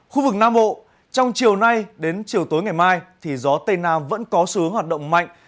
khu vực nam hộ trong chiều nay đến chiều tối ngày mai thì gió tây nam vẫn có sướng hoạt động mạnh